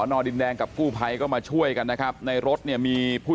อดินแดงกับกู้ภัยก็มาช่วยกันนะครับในรถเนี่ยมีผู้